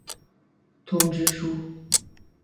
通知书。